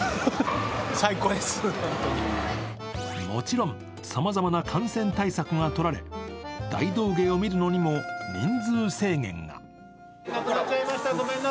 もちろんさまざまな感染対策がとられ大道芸を見るのにも人数制限が。